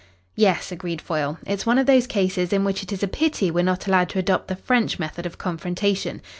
"Yes," agreed Foyle. "It's one of those cases in which it is a pity we're not allowed to adopt the French method of confrontation.